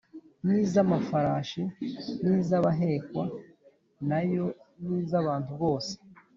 n’iz’amafarashi n’iz’abahekwa na yo n’iz’abantu bose,